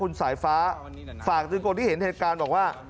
คุณสายฟ้าฝากถึงคนที่เห็นเหตุการณ์บอกว่า